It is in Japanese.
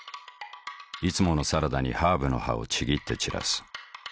いつものサラダにハーブの葉をちぎって散らす。